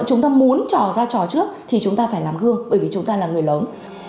chúng ta muốn trò ra trò trước thì chúng ta phải làm gương bởi vì chúng ta là người lớn